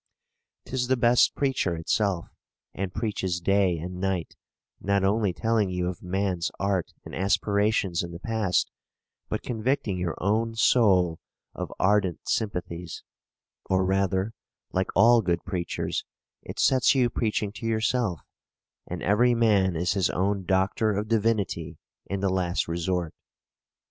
'Tis the best preacher itself, and preaches day and night; not only telling you of man's art and aspirations in the past, but convicting your own soul of ardent sympathies; or rather, like all good preachers, it sets you preaching to yourself;—and every man is his own doctor of divinity in the last resort.